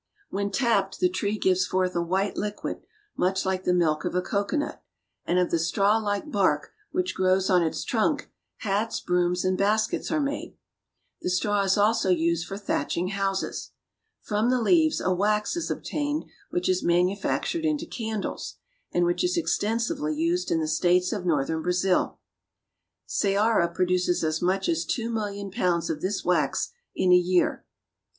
When tapped the tree gives forth a white liquid much like the milk of a cocoanut, and of the strawlike bark, which grows on its trunk, hats, brooms, and baskets are made. The straw is also used for thatch ing houses. From the leaves a wax is obtained which is manufactured into candles, and which is extensively used in the states of northern Brazil. Ceara produces as much as two million pounds of this wax in a year.